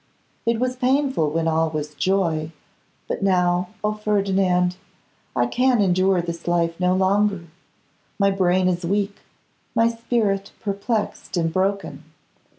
It was painful when all was joy, but now, O Ferdinand! I can endure this life no longer. My brain is weak, my spirit perplexed and broken.